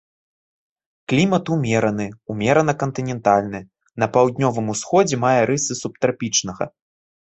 Клімат умераны, ўмерана кантынентальны, на паўднёвым усходзе мае рысы субтрапічнага.